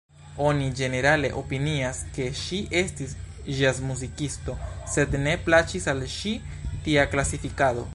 Oni ĝenerale opinias ke ŝi estis ĵazmuzikisto sed ne plaĉis al ŝi tia klasifikado.